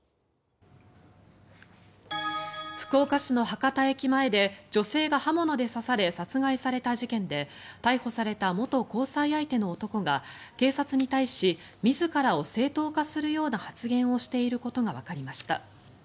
福岡市の博多駅前で女性が刃物で刺され殺害された事件で逮捕された元交際相手の男が警察に対し自らを正当化するような発言をしていることがわかりました。